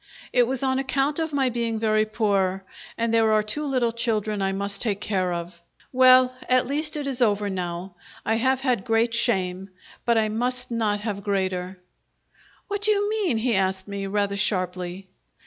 It was on account of my being very poor; and there are two little children I must take care of. Well, at least, it is over now. I have had great shame, but I must not have greater." "What do you mean?" he asked me rather sharply.